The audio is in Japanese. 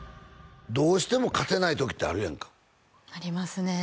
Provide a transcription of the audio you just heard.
どうしても勝てない時ってあるやんかありますね